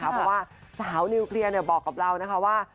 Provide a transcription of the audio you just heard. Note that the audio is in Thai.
เพราะว่าสาวนิวเคลียร์บอกกับเรานะคะว่า